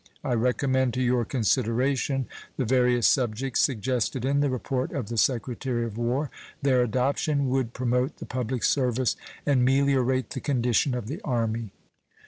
I recommend to your consideration the various subjects suggested in the report of the Secretary of War. Their adoption would promote the public service and meliorate the condition of the Army.